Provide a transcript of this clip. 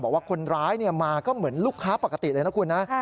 บอกว่าคนร้ายมาก็เหมือนลูกค้าปกติเลยนะคุณนะ